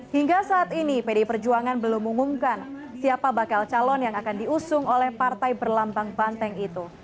hingga saat ini pdi perjuangan belum mengumumkan siapa bakal calon yang akan diusung oleh partai berlambang banteng itu